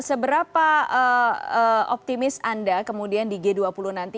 seberapa optimis anda kemudian di g dua puluh nanti